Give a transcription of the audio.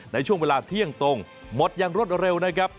ในช่วงเวลาเที่ยงตรงหมดอย่างรวดเร็วนะครับ